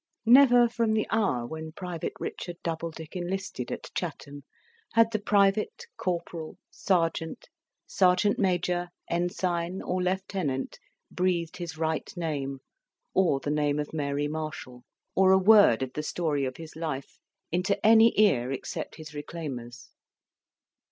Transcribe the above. Never from the hour when Private Richard Doubledick enlisted at Chatham had the Private, Corporal, Sergeant, Sergeant Major, Ensign, or Lieutenant breathed his right name, or the name of Mary Marshall, or a word of the story of his life, into any ear except his reclaimer's.